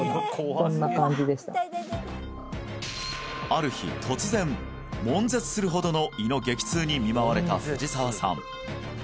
ある日突然もん絶するほどの胃の激痛に見舞われた藤澤さん